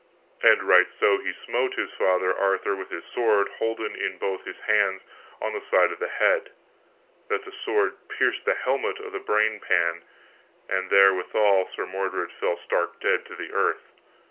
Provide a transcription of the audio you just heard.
And right so he smote his father Arthur with his sword holden in both his hands, on the side of the head, that the sword pierced the helmet and the brain pan, and therewithal Sir Mordred fell stark dead to the earth.